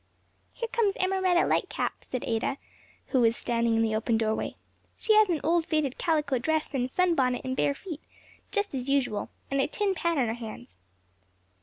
"Here comes Emmaretta Lightcap," said Ada, who was standing in the open doorway. "She has an old faded calico dress, and sunbonnet and bare feet, just as usual; and a tin pan in her hands."